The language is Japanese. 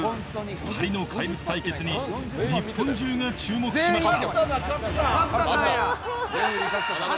２人の怪物対決に日本中が注目しました。